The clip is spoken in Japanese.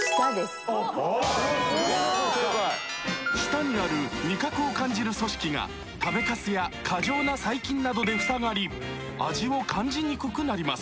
舌にある味覚を感じる組織が食べカスや過剰な細菌などでふさがり味を感じにくくなります